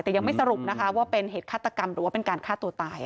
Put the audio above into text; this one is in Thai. แต่ยังไม่สรุปนะคะว่าเป็นเหตุฆาตกรรมหรือว่าเป็นการฆ่าตัวตาย